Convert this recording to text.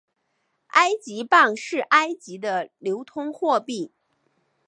埃及镑是埃及的流通货币。